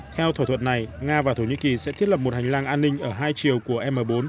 theo thỏa thuận này nga và thổ nhĩ kỳ sẽ thiết lập một hành lang an ninh ở hai chiều của m bốn